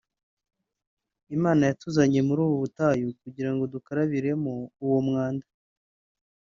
Imana yatuzanye muri ubu butayu kugira ngo dukarabiremo uwo mwanda